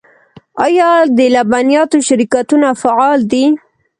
آیا د لبنیاتو شرکتونه فعال دي؟